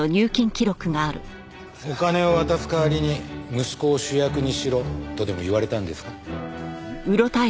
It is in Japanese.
お金を渡す代わりに息子を主役にしろとでも言われたんですか？